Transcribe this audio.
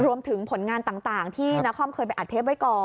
ผลงานต่างที่นาคอมเคยไปอัดเทปไว้ก่อน